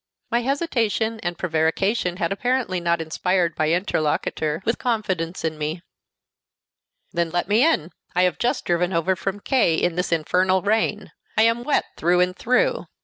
My hesitation and prevarication had apparently not inspired my interlocutor with confidence in me. "Then let me in. I have just driven over from K in this infernal rain. I am wet through and through."